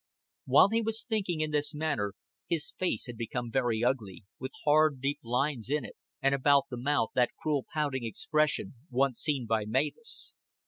'" While he was thinking in this manner, his face became very ugly, with hard deep lines in it, and about the mouth that cruel pouting expression once seen by Mavis.